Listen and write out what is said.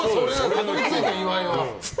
たどり着いた、岩井は。